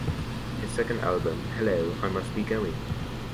His second album, Hello, I Must Be Going!